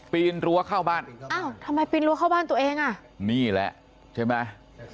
ปีนรั้วเข้าบ้านอ้าวทำไมปีนรั้วเข้าบ้านตัวเองอ่ะนี่แหละใช่ไหม